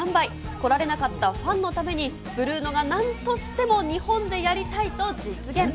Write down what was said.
来られなかったファンのために、ブルーノがなんとしても日本でやりたいと実現。